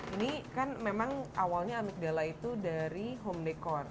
ini kan memang awalnya amigdala itu dari home decor